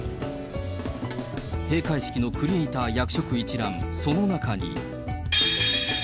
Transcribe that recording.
閉会式のクリエーター役職一覧、その中に。